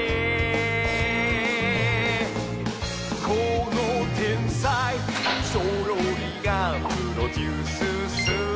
「この天才ゾロリがプロデュースすれば」